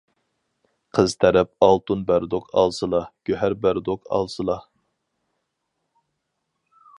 قىز تەرەپ ئالتۇن بەردۇق ئالسىلا، گۆھەر بەردۇق ئالسىلا.